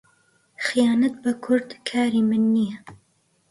خەیانەت بە کورد کاری من نییە.